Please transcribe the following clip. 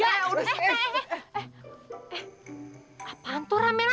asukar sama dari aja